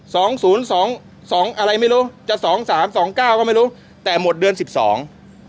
สองศูนย์สองสองอะไรไม่รู้จะสองสามสองเก้าก็ไม่รู้แต่หมดเดือนสิบสอง